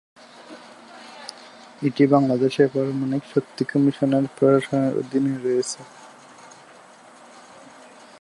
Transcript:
এটি বাংলাদেশ পারমাণবিক শক্তি কমিশনের প্রশাসনের অধীনে রয়েছে।